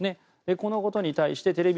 このことに対してテレビ